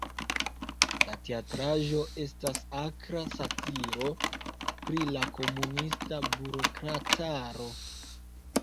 La teatraĵo estas akra satiro pri la komunista burokrataro.